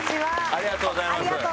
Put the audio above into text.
ありがとうございます。